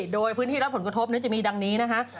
โดยพื้นที่รับผลกระทบนั้นจะมีดังนี้นะคะ